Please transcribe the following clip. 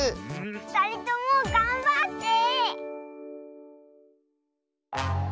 ふたりともがんばって！